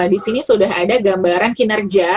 disini sudah ada gambaran kinerja